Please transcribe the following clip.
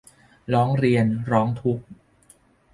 ร้องเรียน ร้องทุกข์